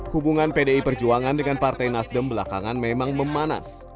hubungan pdi perjuangan dengan partai nasdem belakangan memang memanas